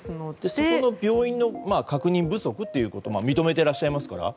その病院の確認不足ということで認めていらっしゃいますね。